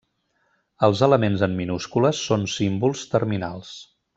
Els elements en minúscules són símbols terminals.